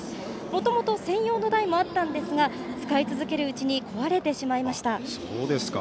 もともと専用の台もあったんですが使い続けるうちに壊れてしまいました。